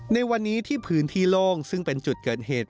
ในวันนี้ที่พื้นที่โล่งซึ่งเป็นจุดเกิดเหตุ